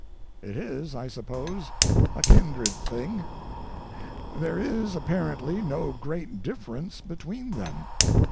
It is, I suppose, a kindred thing. There is apparently no great difference between them.